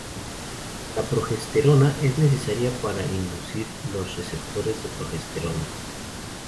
La progesterona es necesaria para inducir los receptores de progesterona.